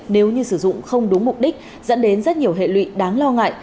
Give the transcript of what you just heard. nếu như sử dụng không đúng mục đích dẫn đến rất nhiều hệ lụy đáng lo ngại